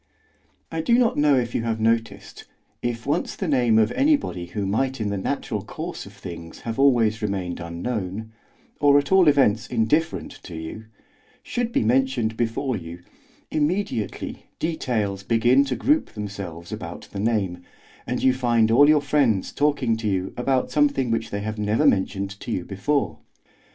I do not know if you have noticed, if once the name of anybody who might in the natural course of things have always remained unknown, or at all events indifferent to you, should be mentioned before you, immediately details begin to group themselves about the name, and you find all your friends talking to you about something which they have never mentioned to you before.